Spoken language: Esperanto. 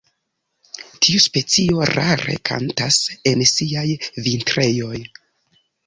Tiu specio rare kantas en siaj vintrejoj.